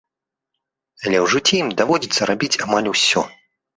Але ў жыцці ім даводзіцца рабіць амаль усё.